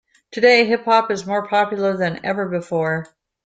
Today, hip hop is more popular than ever before.